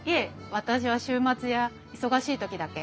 私は週末や忙しい時だけ。